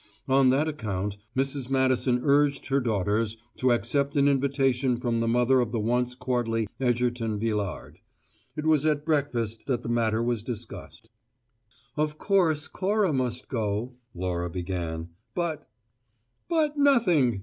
On that account, Mrs. Madison urged her daughters to accept an invitation from the mother of the once courtly Egerton Villard. It was at breakfast that the matter was discussed. "Of course Cora must go," Laura began, "but " "But nothing!"